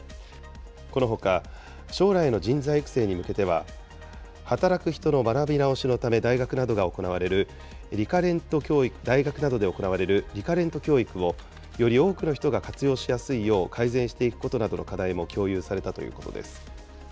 このほか、将来の人材育成に向けては、働く人の学び直しのため大学などで行われるリカレント教育を、より多くの人が活用しやすいよう改善していくことなどの課題も共有されたということです。